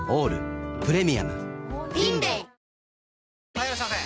・はいいらっしゃいませ！